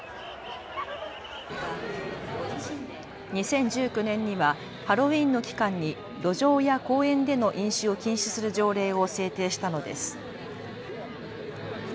２０１９年にはハロウィーンの期間に路上や公園での飲酒を禁止する条例を制定したのです。